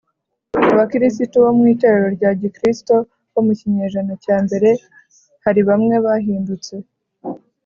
Abakirisitu bo mu Itorero rya gikristo ryo mu kinyejana cya mbere hari bamwe bahindutse